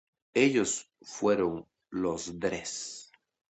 Ellos fueron los Dres.